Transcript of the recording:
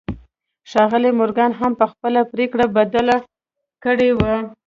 ښاغلي مورګان هم خپله پرېکړه بدله کړې وه.